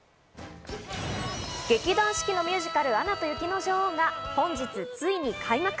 劇団四季のミュージカル『アナと雪の女王』が本日ついに開幕。